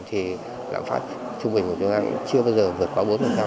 thì lạng phát trung bình của chúng ta chưa bao giờ vượt quá bốn